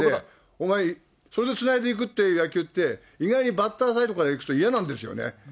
お前、それでつないでいくって野球って、意外にバッターサイドからいくと、嫌なんですよね。